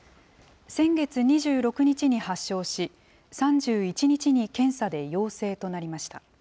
先月２６日に発症し、３１日に検査で陽性となりました。